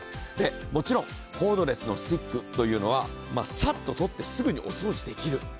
でもちろんコードレスのスティックというのはサッと取ってすぐにお掃除できる。